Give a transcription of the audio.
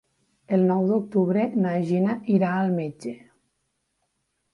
El nou d'octubre na Gina irà al metge.